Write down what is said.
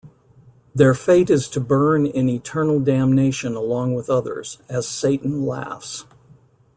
Their fate is to burn in eternal damnation along with others, as Satan laughs.